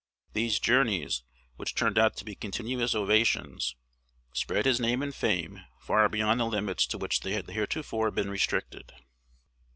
These journeys, which turned out to be continuous ovations, spread his name and fame far beyond the limits to which they had heretofore been restricted.